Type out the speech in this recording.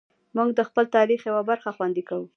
موږ د خپل تاریخ یوه برخه خوندي کوو.